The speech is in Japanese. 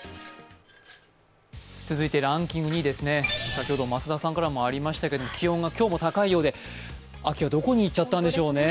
続いてランキング２位ですね、増田さんからもありましたけれども、気温が今日も高いようで秋はどこ行っちゃったんでしょうね。